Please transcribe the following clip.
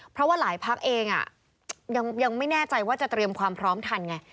เพราะว่าหลายพักเองยังไม่แน่ใจว่าจะเตรียมความพร้อมทันไง